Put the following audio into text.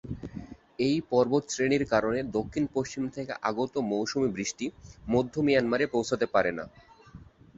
এই পর্বতশ্রেণীর কারণে দক্ষিণ-পশ্চিম থেকে আগত মৌসুমী বৃষ্টি মধ্য মিয়ানমারে পৌঁছতে পারে না।